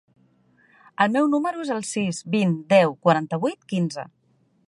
El meu número es el sis, vint, deu, quaranta-vuit, quinze.